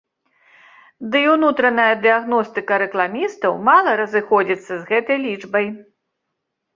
Дый унутраная дыягностыка рэкламістаў мала разыходзіцца з гэтай лічбай.